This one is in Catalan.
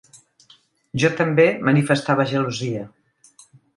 Jo també manifestava gelosia.